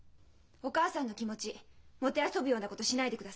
お母さんの気持ち弄ぶようなことしないでください。